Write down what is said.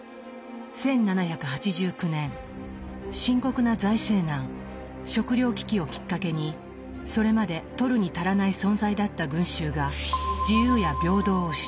１７８９年深刻な財政難食糧危機をきっかけにそれまで取るに足らない存在だった群衆が自由や平等を主張。